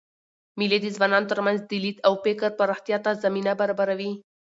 مېلې د ځوانانو ترمنځ د لید او فکر پراختیا ته زمینه برابروي.